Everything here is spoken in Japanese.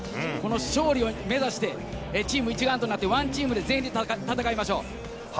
勝利を目指してチーム一丸となってＯＮＥＴＥＡＭで全員で戦いましょう。